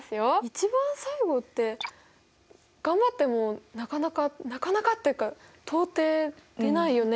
一番最後って頑張ってもなかなかなかなかっていうか到底出ないよね？